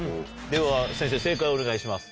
では先生正解をお願いします。